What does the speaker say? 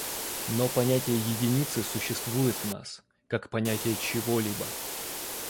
Но понятие единицы существует в нас, как понятие чего-либо.